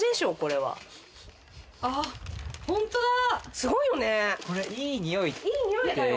すごいよね。